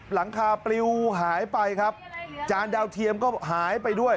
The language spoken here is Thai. หลังคาปลิวหายไปครับจานดาวเทียมก็หายไปด้วย